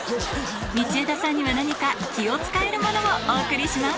道枝さんには何か気を使えるものをお送りします